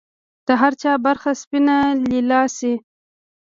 د هر چا برخه سپینه لیلا شي